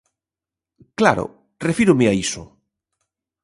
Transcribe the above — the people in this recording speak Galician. Claro, refírome a iso.